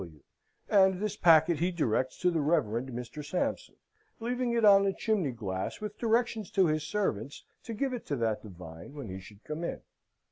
W." And this packet he directs to the Reverend Mr. Sampson, leaving it on the chimney glass, with directions to his servants to give it to that divine when he should come in.